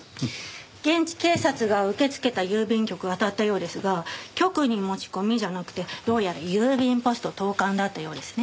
現地警察が受け付けた郵便局をあたったようですが局に持ち込みじゃなくてどうやら郵便ポスト投函だったようですね。